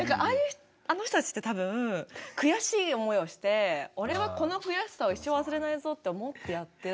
あの人たちって多分悔しい思いをして俺はこの悔しさを一生忘れないぞって思ってやってるのかなって思います。